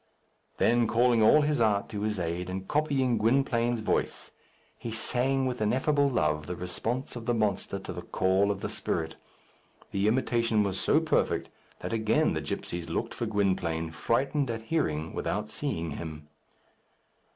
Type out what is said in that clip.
Then calling all his art to his aid, and copying Gwynplaine's voice, he sang with ineffable love the response of the monster to the call of the spirit. The imitation was so perfect that again the gipsies looked for Gwynplaine, frightened at hearing without seeing him.